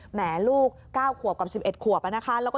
เหมียลูก๙ขวบกว่า๑๑ขวบ